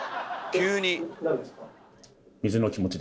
急に？